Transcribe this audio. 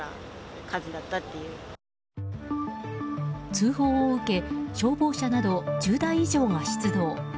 通報を受け消防車など１０台以上が出動。